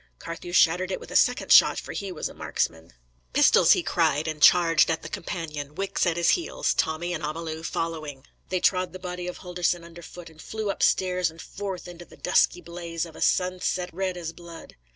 Carthew shattered it with a second shot, for he was a marksman. "Pistols!" he cried, and charged at the companion, Wicks at his heels, Tommy and Amalu following. They trod the body of Holdorsen underfoot, and flew up stairs and forth into the dusky blaze of a sunset red as blood.